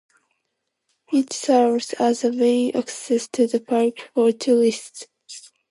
It serves as the main access to the park for tourists.